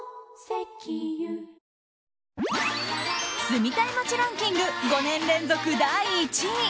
住みたい街ランキング５年連続第１位！